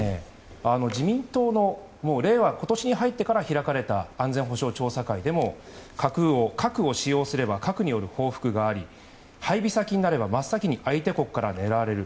これは自民党の今年に入ってから開かれた、安全保障調査会でも核を使用すれば核による報復があり配備先になれば真っ先に相手国から狙われる。